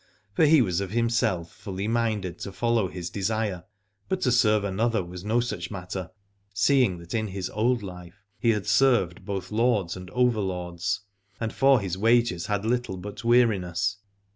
For he was of 51 Aladore himself fully minded to follow his desire ; but to serve another was no such matter, seeing that in his old life he had served both lords and over lords, and for his wages had little but weariness.